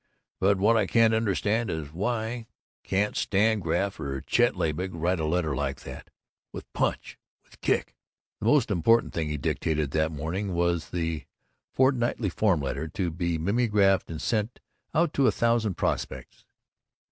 But what I can't understand is: why can't Stan Graff or Chet Laylock write a letter like that? With punch! With a kick!" The most important thing he dictated that morning was the fortnightly form letter, to be mimeographed and sent out to a thousand "prospects."